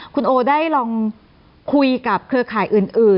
คุณโอได้ลองคุยกับเครือข่ายอื่น